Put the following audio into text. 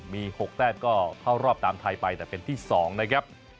มี๖แต้มก็เข้ารอบตามไทยไปแต่เป็นที่๒นะครับ